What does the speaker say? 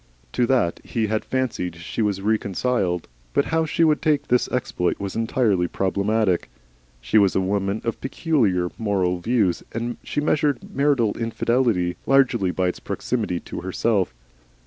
To that he had fancied she was reconciled, but how she would take this exploit was entirely problematical. She was a woman of peculiar moral views, and she measured marital infidelity largely by its proximity to herself.